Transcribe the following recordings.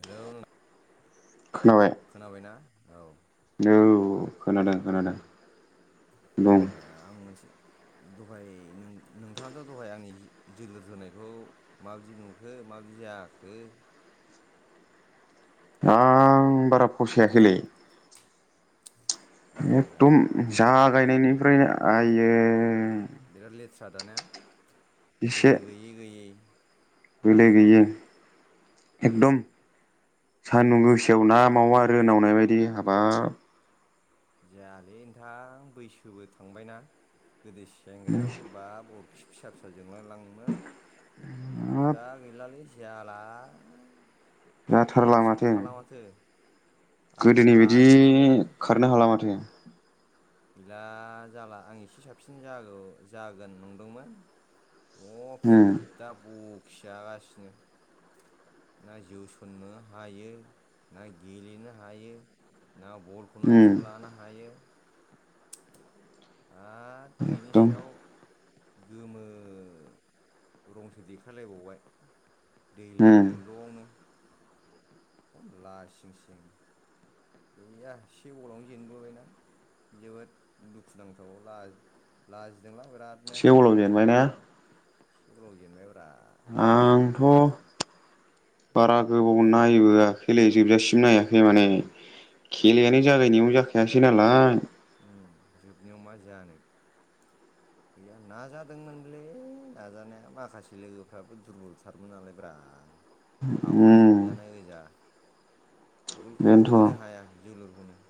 Hello खोनाबाय खोनाबायना औ औ खोनादों खोनादों बुं आं मोनसे दहाय नों नोंथाङाथ दहाय आंनि जोलुर जोनायखौ माबायदि नुखो माबायदि जाखो आं बारा फसायाखैलै बेनोब्रा एकदम जा गायनायनि फ्रायनो आइयै बिराद ले थार दानिया एसे बोलो गैयै गयै बोलो गैयै एकदम सान्दुं गोसायाव ना मावा रोनावनाय बायदि हाबाब जायालै नोंथां बैसोबो थांबायना। गोदो सेंग्रायावसो बाब अरखि फिसा फिसै- जोंआ लांनो हाब दा गैलालै जाला जाथारला आथिङावनो माथो। थाला माथो आंबो गोदोनि बायदि लाजिनानै खारनो हाला माथो गैला जाला आं एसे साबसिन जागौ जागोन नंदोंमोन अह उम फुद्दा बुक फिसागासिनो ना जोसननो हायो ना गेलेनो हायो। ना बलखौनो उम आइथिंआव लानो हायो। आर बिनि एकदम सायाव गोमो रंसो देखलायबावबाय दै उम लोंनायल'आवनो खम लासिंसिं गैया से गलावनो जेनबोबायना जोबोद दुखु नांथाव लाजि लाजि से गलाव जेनबाय ना। से गलाव जेनबायब्रा आंथ' बारा गोबाव नायबोआ खैलै जोबजासिम नायाखै माने खेलायानो जागायनायावनो जाखायासै नालाय जोबनायाव मा जानो गैया नाजादोंमोनलै नाजानाया माखासे लोगोफ्राबो दुरबलथारमोन नालाय ब्रा उम आवमाय सोबजानाय गोजा। बगलखौनो होनो बेनोथ' हाया जोलुरखौनो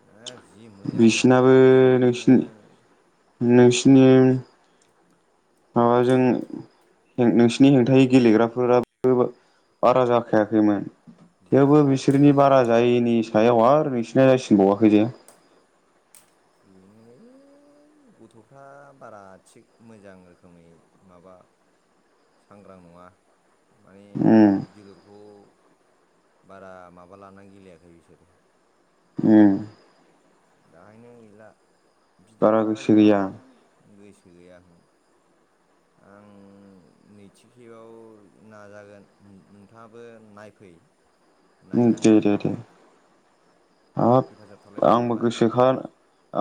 हाब जि मोजां मोजां बिसिनाबो खाबु नोंसिनि मोनदोंमोन। नोंसिनि माबाजों नों नोंसिनि हेंथायै गेलेग्राफोराबो बारा जाखायाखैमोन। थेवबो जाखायाखै बिसोरनि बारा जायैनि सायाव आ नोंसिना जासिनबावाखै दे बेनोलै गथफ्रा बारा थिग मोजां रोखोमै माबा सांग्रां नङा। माने उम जोलुरखौ बारा माबा लाना गेलेयाखै बिसोरो। उम दाहायनो गैला बिदाया बारा गोसो गैया रागाजोंबाय गोस गैया आं नैथि खेबाव नाजागोन नोंथाङाबो नायफै ओम दे नायनांगोन दे दे हेफाजाब हाब थालायनांगौ आंबो नालाय गोसोखा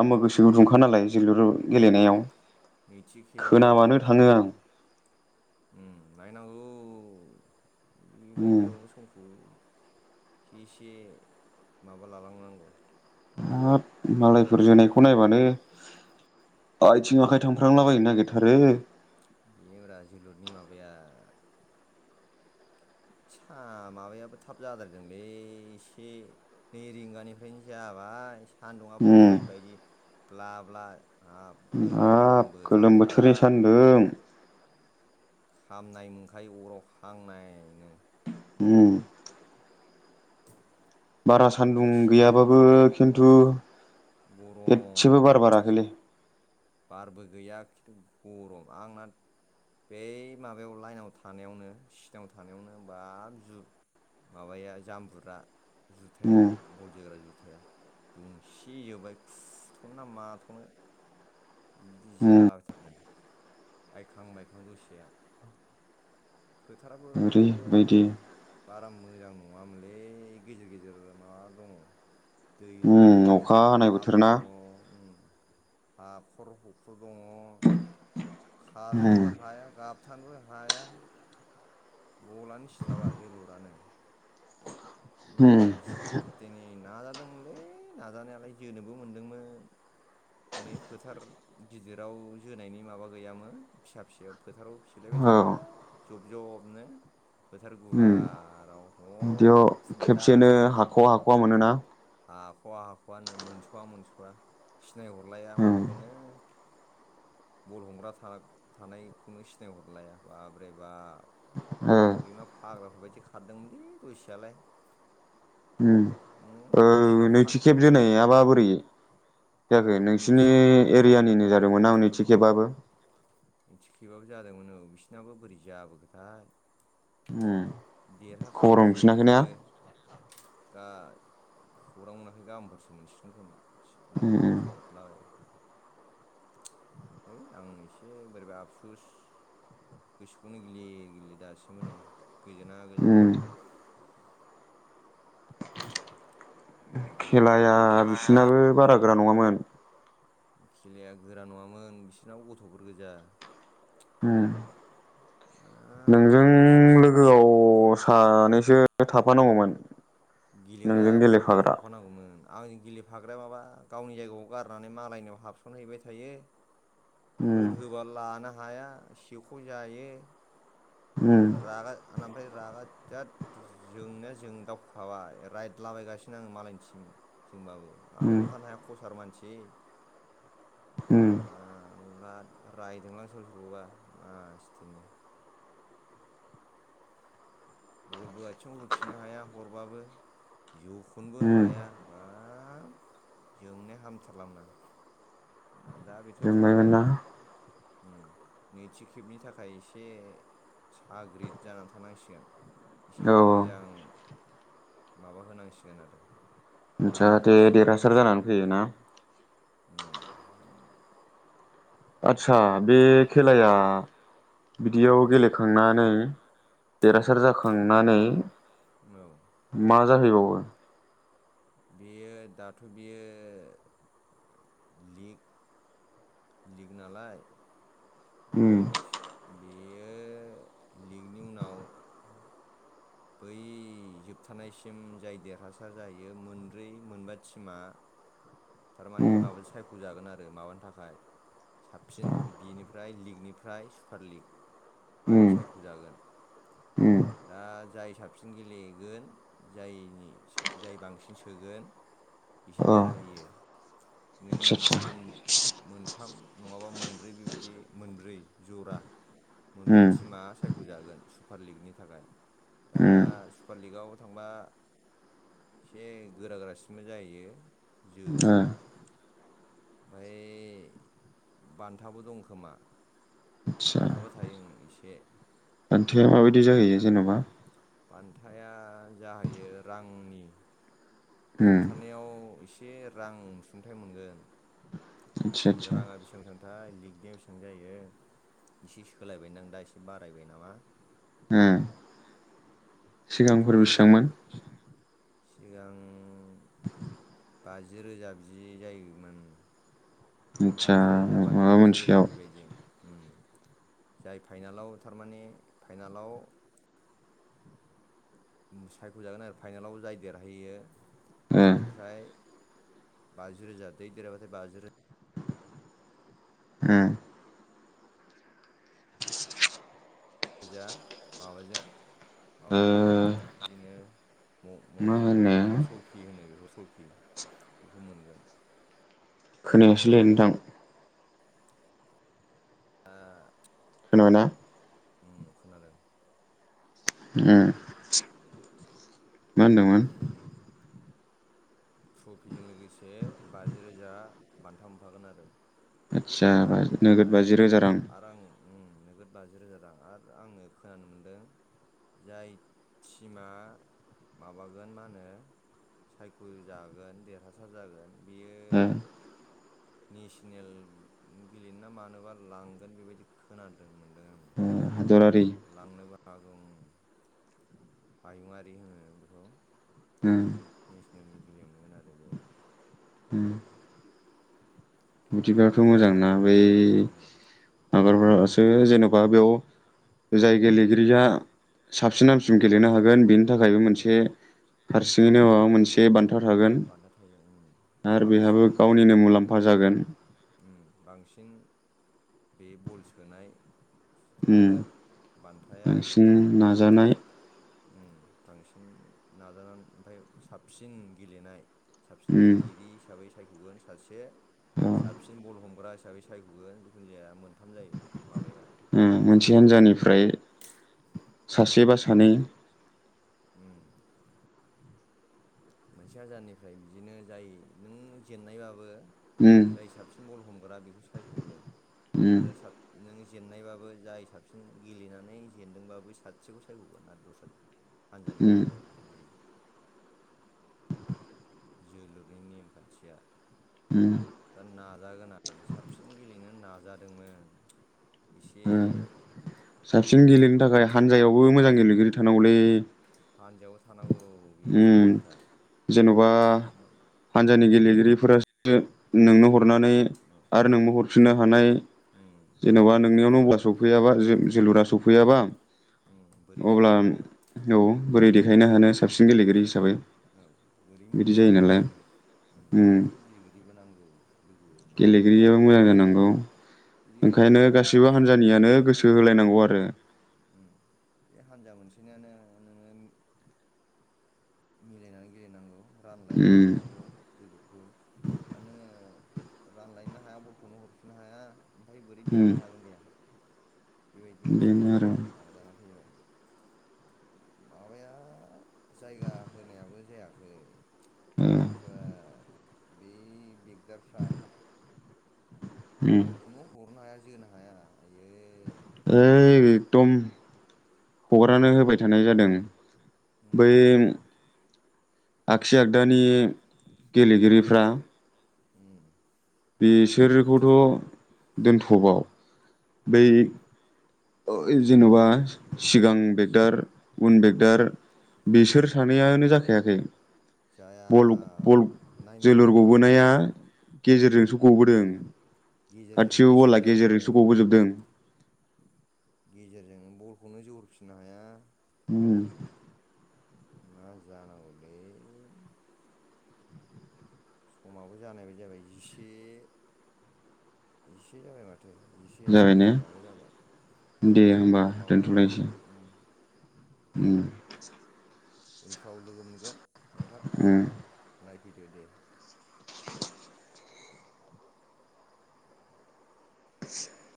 आंबो गोसो [inaudible] दुंखा नालाय। जोलुरु उम गेलेनायाव नैथि खेबाव खोनाबानो थाङो आं। उम नायनांगौ। उम बेबायदियाव समखौ एसे एसे माबा लालांनांगौ हाब मालायफोर जाहाथे जोनायखौ नायबानो आइथिं आखाय थांफ्रांलाबायनो नागिरथारो। [inaudible] जोलुरनि माबाया आ माबायाबो थाब जाद्रायदोंलै एसे नै रिंगानिफ्रायनो जाबाय सान्दुंआबो उम जिबायदि ब्ला ब्ला हाब [unintelligible] ओरैनो गरम आब गोलोम बोथोरखा बोथोरनि सान्दों खामनाय मोनखायो अराव हांनायनो उम बारा सान्दुं दसे गैयाबाबो खिन्थु गरम एदसेबो बार बाराखैलै। बारबो गैया खिन्थु गरम आंना बे माबायाव लाइनाव थानायावनो सिनाव थानायावनो बाब जु माबाया जाम्बुरा जुथाया उम बल जोग्रा जुथाया दुंसि जोब्बाय खुथनोना माथनो बिदि उम जालाबायथारदों आइखां मायखां दसेया। फोथाराबो ओरैबायदि बारा मोजां नङामोनलै गेजेर गेजेर माबा दङ दै दङ उम अखा हानाय बोथोर हाब्रु ना दङ उम हाखर हुखर दङ। उम खारनोबो हाया गा थांबो हाया। बलानो सिथाबा जोलुरानो। उम मासदिनि नाजादोंमोनलै नाजानायालाय जोनोबो मोनदोंमोन हनै फोथार गिदिराव जोनायनि माबा गैयामोन फिसा फिसायाव फोथाराव औ सेलायबायथाबाइ जब जबनो फोथार उम गुवाराव ह बिदियाव फुददा खेबसेनो हाखवा हाखवा मोनोना हाखवा हाखआनो मोनसवा मोनसवा सिनायहरलाया उम माबाखौनो। बल हमग्रा थानायखौनो सिनायहरलाया बाब्रैबा ओ सैमा फाग्राफोरबायदि। बिसे खारदोंमोनलै दसेयालाय। उम न' दसेल' खा नैथि खेब जोनायाबा। बे जाखो नैथि नोंसिनि एरियानिनो जा [unintelligible] थिखिब आबो जादोंमोननो बिसिनाबो बोरै जाबोखोथाय उम देरहाखो खबर ना हमफिनाखै जेनखो? ना गाय खौरां मोनाखै गामोनफोरसो मोनसिगोन खोमा उम लोगोफोरनाव सोहरलाबायरा है आं एसे बोरैबा आबसुस गोसोखौनो गेलेय गेलेय दासिमबो नै गोजोना गोजोना उम मोनदों खेलाया देरहाना बिसोरनाबो बारा गोरा नङामोन खेलाया गोरा नङामोन बिसोरनाव गथफोर गोजा ओ नोंजों मारला एसे लोगोआव सानैसो थाफानांगौमोन गेलेग्रा नोंजों बल होग्रा गेलेफाग्रा थाफानांगौमोन आं गेलेफाग्राया माबा गावनि जायगायाव गारनानै मालायनियाव हाबसनहैबाय थायो उम बल होबा लाना हाया सेख' जायो। उम रागा आंना आमफाय रागा दा जोंनाया जों दाउ माबा रायदला बायगासिनो आङो मालायनि टिम होनबाबो आंथ उम हमथानो हाया खसार मानसि ए उम लाद रायदोंलां सोरबा सोरखौबा मासथिनि बलबो आथिं आव होफिननो हाया हरबाबो जोखनोबो उम हाया बाल जोंनाया हामथारलामोन आं दा बे थ जोंबायमोन थांबाय ना र नैथि खेबनि थाखाय एसे साग्रिद जानानै थानांसिगोन एसे औ मोजां माबा होनांसिगोन आरो आथसा दे नाजानांसिगोन देरहासार जानानै उम फैयो ना। उम आथसा बे खेलाया बिदियाव उम गेलेखांनानै देरहासार उम जाखांनानै औ मा जाहैबावो बेयो दाथ बियो लिग लिग नालाय उम लिग बेयो लिगनि उनाव बै जोबथारनायसिम जाय देरहासार जाहैयो मोनब्रै मोनबा टिमा थारमानि उम माबा सायख'जागोन आरो माबानि थाखाय साबसिन बिनिफ्राय लिगनिफ्राय सुपार लिग बेहाय उम सायख'जागोन। उम दा जाय साबसिन गेलेगोन जायनि जाय बांसिन सोगोन एसे अ आदसा देरहाहैयो नों मोनथाम आदसा मोन मोनथाम नङाबा मोनब्रै बेबायदि मोनब्रै ज'रा, मोनब्रै उम टिमा सायख जागोन सुपार लिगनि थाखाय। दा उम सुपार लिगआव थांबा एसे गोरा गोरासिनबो जायो ओ जोग्राफ्रा ओमफ्राय बान्थाबो दं खोमा आदसा बान्थाबो थायो एसे [inaudible] माबायदि जाहैयो जेनेबा बानथाया जाहैयो रांनि उम जोबथानारयाव एसे रां अनसुंथाइ मोनगोन आदसा आदसा राङा बेसेबां बेसेबां थाय बेसेबां जायो इसे सोलायबायदां दा एसे बारायबाय नामा ओ खिन्थु सिगांफोर बेसेबांमोन सिगां बाजि रोजा बिदि जायोमोन आदसा बाजि रोजा बा माबा थामजि रोजा मोनसेयाव बेबायदि जाय फाइनालाव थारमाने फाइनालाव सायखजागोन आरो फाइनालाव जाय देरहैयो ओ बेनिफ्राय बाजि रोजा जै देरहाबाथाय बाजि रोजा ओ जा माबाजों मा ओ मोनफायो आरो बिदिनो मा म-ममेन्ट होनो ट्रफि होनो बेखौ ट्रफि, बेखौ मोनगोन। खोनायासैलै नोंथां ओ खोनाबायना उम खोनादों [inaudible] मा होनदोंमोन ट्रफिजों लोगोसे बाजि रोजा बान्था मोनफागोन आरो आदसा आरो बिनि नोगोद थाखाय बाजि रोजा रां आराम [inaudible] नगद बाजि रोजा रां आरो आंङो खोनानो मोनदों जाय टिमा माबागोन मा होनो सायख जागोन देरहासार जागोन। बियो ओ नेसनेल गेलेनो ना मानोबा लांगोन बेबायदि खोनादों मोनदों आं। [unintelligible] हागौ उम। हायुङारि होनो बेखौ ओ नेसनेल गेलेनो मोनगोन आरो बे ओ [inaudible] [inaudible] दा जेनबा नाजागोन आङो उम बेयाव जाय गेलेगिरिया साबसिन उम हामसिन गेलेनो हागोन बेनि थाखायबो नोगोद औ मोनसे हारसिङैनो बान्था माबा थायो मोनसे बान्था थागोन बान्था थायो उम आरो बांसिन बेहाबो गल गावनिनो मुलाम्फा जागोन बांसिन बे बल सोनाय उम थागोन बान्थाया बांसिन बिनिफ्राय नाजानाय फाय ओम बांसिन नाजानानै ओमफाय साबसिन गेलेनाय साबसिन उम गेलेगिरि हिसाबै। सायखगोन सासे अ साबसिन बल हमग्रा हिसाबै सायखयो जिखुन जाया मोन ओम मोनसे हान्जानिफ्राय सासे बा सानै उम मोनसे हान्जानिफ्राय बिदिनो जाय नों जेननायबाबो ओम। जाय साबसिन बल हमग्रा बेखौ सायखगोन उम आरो साब नों जेननायबाबो जाय साबसिन गेलेनानै जेनदोंबाबो सासेखौ सायखगोन आरो दस्रा उम हानजानिफ्रायबो बिदि जोलुरनि नेमखान्थिया उम दा नाजागोन आं साबसिन गेलेनो नाजादोंमोन इसे ओ साबसिन गेलेनो थाखाय हानजायावबो मोजां गेलेगिरि थानांगौलै हानजायाव थानांगौ बियो [inaudible] सैथो ओम खोथा जेनबा हानजानि गेलेगिरि। फोरा सो नोंनो हर नानै आरो औ नोंबो हरफिननो हानाय उम जेनबा बेबायदि नोंनियाव जानांगौ सफैयाबा जो-जो जोलुरा उम सफैयाबा उम बोरै अब्ला देखायनो हानो औ बोरै दे [unintelligible] हानो साबसिन गेलेगिरि हिसाबै औ बोरै बिदि बिसोर जायो नालाय मिथिनो ओम उम ओंखायनो गेलेगिरिबो नांगौ लोगो नांगौ गेलेगिरियाबो मोजां गेलेगि जानांगौ ओंखायनो गेलेगिरिफ्रा गासैबो एसे हान्जानियानो दुरबल गोजा। गोसो होलायनांगौ आरो ओम बे हानजा मोनसे [unintelligible] मिलायनानै गेलेनांगौ रानलायनानै उम गेलेनांगौ जोलुरखौ आरो नोङो रानलायनोनो हाया बलखौनो हरफिननो हाया। ओमफाय बोरै उम देखायनो हागोन दे आं। बेबायदि मोनसे बेनो आरो माबा जाना फैबाय। माबाया जायगा होनायाबो जायाखै। ओ सोरबा बे-बे देरफ्रा। उम बलखौनो हरनो हाया जानो हाया आयै ओइ एकदम हगारानो होबाय थानाय जादों। उम बै आगसि आगदानि गेलेगिरिफ्रा उम बिसोरखौथ दोनथबाव बै औ जेनबा सिगां बेगदार उन उम बेगदार बिसोर सानैयानो जाखायाखै जाया बल बल नायनो जोलुर रोङा गबोनाया उम गेजेरजोंसो गबोदों गेजेरजोंनो खाथिबो बला सोजाबाय गेजेरजों थादों गबोजोबदों गेजेरजों बलखौनो जोहरफिननो हाया उय मा जानांगौलै समाबो जानाय बादि जाबाय जिसे जिसे जाबाय माथो। माथो जिसे जाबाय मिनिट ने माबा जाबाय ओ दे बिदिबाथ होमबा माबा दोनथ'लायसै ओ उम उनफ्राव लोगो मोनगोन नोंथां उम नाय फैदो दे। [inaudible]